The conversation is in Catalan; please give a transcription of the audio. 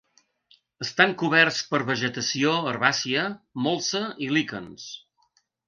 Estan coberts per vegetació herbàcia, molsa i líquens.